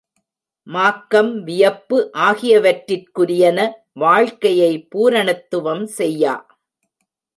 Markham, வியப்பு ஆகியவற்றிற்குரியன வாழ்க்கையை பூரணத்துவம் செய்யா.